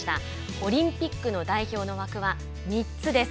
オリンピックの代表の枠は３つです。